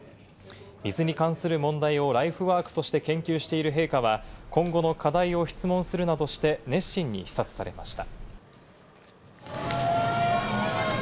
水に関する問題をライフワークとして研究している陛下は今後の課題を質問するなどして熱心に視察されました。